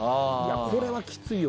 これはきついよ